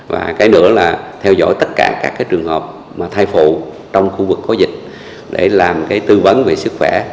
và cái nữa là theo dõi tất cả các trường hợp mà thai phụ trong khu vực có dịch để làm cái tư vấn về sức khỏe